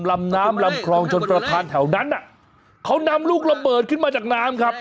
ลำน้ำลำคลองชนประธานแถวนั้นน่ะเขานำลูกระเบิดขึ้นมาจากน้ำครับ